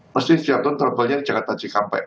pasti siapun travelnya di jakarta cikampek